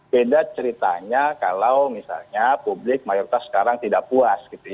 beda ceritanya kalau misalnya publik mayoritas sekarang tidak puas